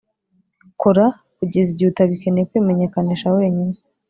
kora kugeza igihe utagikeneye kwimenyekanisha wenyine.